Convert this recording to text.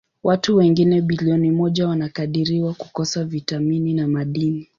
Watu wengine bilioni moja wanakadiriwa kukosa vitamini na madini.